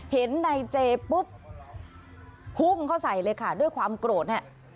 เห็นนายเจปุ๊บพุ่งเข้าใส่เลยค่ะด้วยความโกรธเนี่ย